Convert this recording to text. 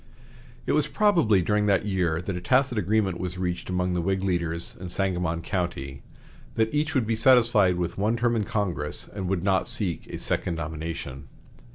It was probably during that year that a tacit agreement was reached among the Whig leaders in Sangamon County, that each would be satisfied with one term in Congress and would not seek a second nomination.